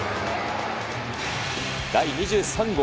第２３号。